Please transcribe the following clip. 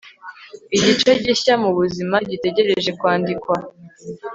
igice gishya mubuzima gitegereje kwandikwa